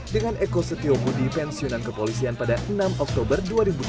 dengan ekosetiomu di pensiunan kepolisian pada enam oktober dua ribu dua puluh dua